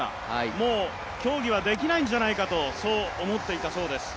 もう競技はできないんじゃないかと、そう思っていたそうです。